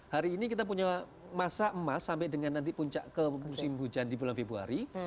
hari ini kita punya masa emas sampai dengan nanti puncak ke musim hujan di bulan februari